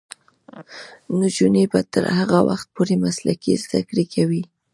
نجونې به تر هغه وخته پورې مسلکي زدکړې کوي.